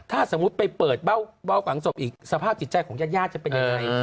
ถ้าสมมุติไปเปิดเบ้าฝังศพอีกสภาพจิตใจของญาติญาติจะเป็นยังไง